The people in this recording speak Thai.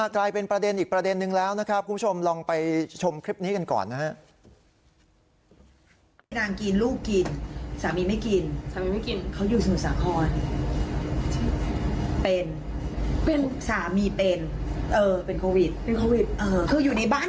กลายเป็นประเด็นอีกประเด็นนึงแล้วนะครับคุณผู้ชมลองไปชมคลิปนี้กันก่อนนะฮะ